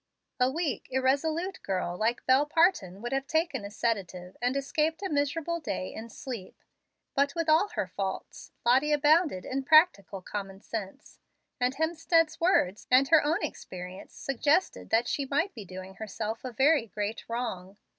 A weak, irresolute girl like Bel Parton would have taken a sedative, and escaped a miserable day in sleep. But, with all her faults, Lottie abounded in practical common sense; and Hemstead's words and her own experience suggested that she might be doing herself a very great wrong.